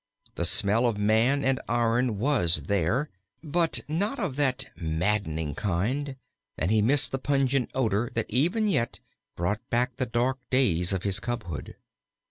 The smell of man and iron was there, but not of that maddening kind, and he missed the pungent odor that even yet brought back the dark days of his cubhood.